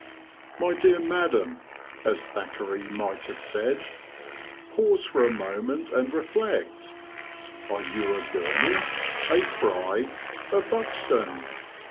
My dear Madam, as Thackeray might have said, pause for a moment and reflect. Are you a Gurney, a Fry, a Buxton?